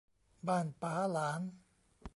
บ้านป๋าหลาน